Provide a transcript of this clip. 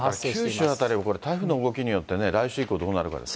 九州辺りも台風の動きによってね、来週以降、どうなるかです